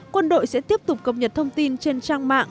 quân đội sẽ tiếp tục cập nhật thông tin trên trang mạng